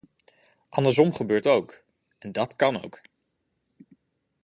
Andersom gebeurt ook, en dat kan ook.